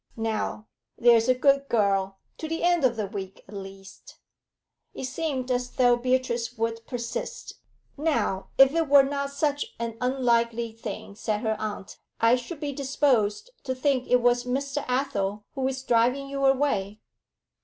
Now, there's a good girl to the end of the week at least.' It seemed as though Beatrice would persist. 'Now, if it were not such an unlikely thing,' said her aunt, 'I should be disposed to think it was Mr. Athel who is driving you away.'